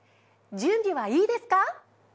準備はいいですか？